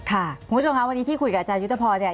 ค่ะผู้ชมครับวันนี้ที่คุยกับอยุฤธภอร์